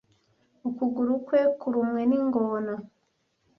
Ukuguru kwe kurumwe n'ingona.